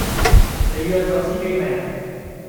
你約左司機未？